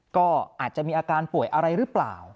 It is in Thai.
ก็อาจจะมีอาการป่วยอะไรหรือเปล่า